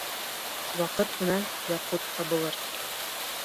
Ваҡыт менән яҡут табылыр